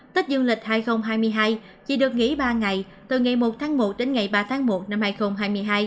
tết dương lịch hai nghìn hai mươi hai chỉ được nghỉ ba ngày từ ngày một tháng một đến ngày ba tháng một năm hai nghìn hai mươi hai